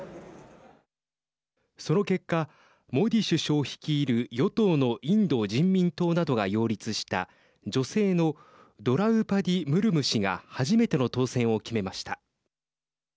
その結果モディ首相率いる与党のインド人民党などが擁立した女性のドラウパディ・ムルム氏が初めての当選を決めました。